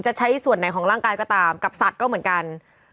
ใช้ส่วนไหนของร่างกายก็ตามกับสัตว์ก็เหมือนกัน